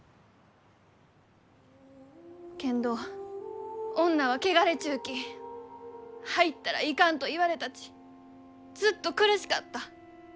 けんど「女は汚れちゅうき入ったらいかん」と言われたちずっと苦しかった。